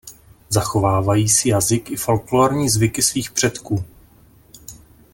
Zachovávají si jazyk i folklórní zvyky svých předků.